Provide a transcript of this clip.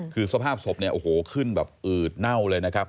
คือสภาพศพขึ้นแบบอืดเน่าเลยนะครับ